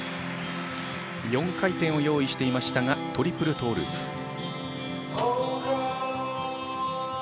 ４回転を用意していましたがトリプルトウループ。